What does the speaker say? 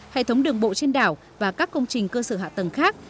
hệ thống đường bộ trên đảo và các công trình cơ sở hạ tầng khác